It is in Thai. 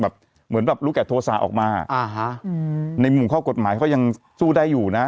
ในมุมข้องกฎหมายเขายังสู้ได้อยู่นะ